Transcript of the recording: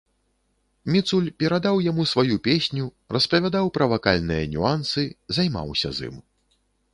Міцуль перадаў яму сваю песню, распавядаў пра вакальныя нюансы, займаўся з ім.